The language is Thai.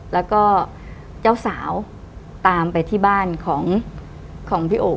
แล้วก็เจ้าสาวตามไปที่บ้านของพี่โอ๋